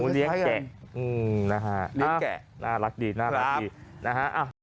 อ๋อเลี้ยงแก่อืมนะฮะเลี้ยงแก่น่ารักดีน่ารักดีครับนะฮะ